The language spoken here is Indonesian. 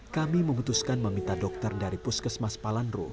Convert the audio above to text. kami memutuskan meminta dokter dari puskesmas palandro